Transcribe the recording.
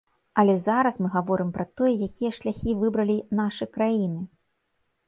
Але зараз мы гаворым пра тое, якія шляхі выбралі нашы краіны.